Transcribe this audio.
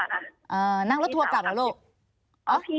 อ่านั่งรถทัวร์กลับเหรอลูก